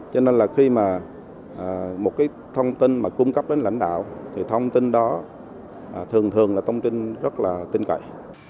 cho nên là khi mà một cái thông tin mà cung cấp đến lãnh đạo thì thông tin đó thường thường là thông tin rất là tinh cậy